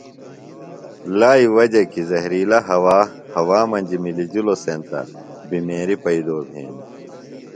لائی وجہ کی زہرِلہ ہوا ہوا مجیۡ مِلِجلوۡ سینتہ بِمیریہ ہیدوۡ بھینیۡ